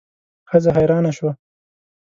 ښځه حیرانه شوه.